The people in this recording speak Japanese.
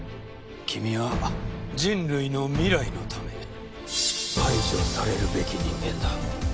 君は人類の未来のため排除されるべき人間だ。